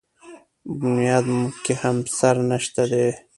بنیاد مو کې همسر نشته دی.